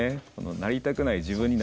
「なりたくない自分にならない」。